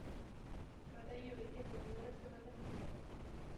Batailoi edo gudaroste baten burua.